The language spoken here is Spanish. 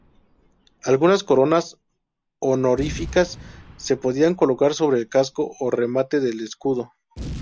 Algunas coronas honoríficas se podían colocar sobre el casco o remate del escudo.